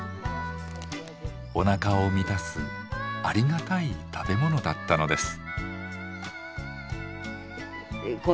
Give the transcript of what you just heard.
おなかを満たすありがたい食べ物だったのです。